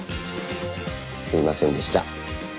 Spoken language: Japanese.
すいませんでした。